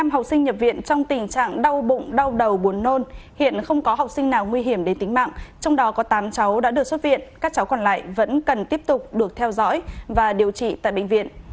một mươi học sinh nhập viện trong tình trạng đau bụng đau đầu buồn nôn hiện không có học sinh nào nguy hiểm đến tính mạng trong đó có tám cháu đã được xuất viện các cháu còn lại vẫn cần tiếp tục được theo dõi và điều trị tại bệnh viện